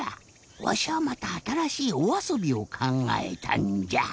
わしゃあまたあたらしいおあそびをかんがえたんじゃ。